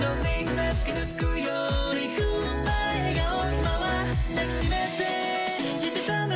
今は抱きしめて信じてたんだ